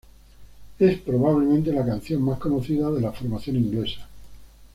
Es probablemente la canción más conocida de la formación inglesa.